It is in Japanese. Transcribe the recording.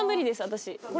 私